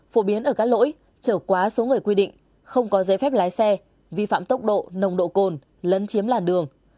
phổ biến ở các lỗi trở quá số người quy định không có giấy phép lái xe vi phạm tốc độ nồng độ cồn lấn chiếm làn đường